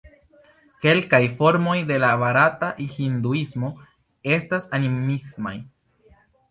Kelkaj formoj de la barata Hinduismo estas animismaj.